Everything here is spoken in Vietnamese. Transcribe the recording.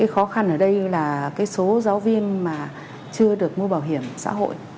khó khăn ở đây là số giáo viên mà chưa được mua bảo hiểm xã hội